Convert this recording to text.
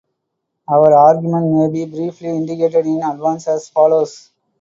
Our argument may be briefly indicated in advance as follows.